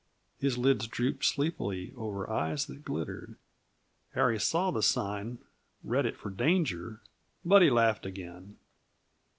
His lids drooped sleepily over eyes that glittered. Harry saw the sign, read it for danger; but he laughed again.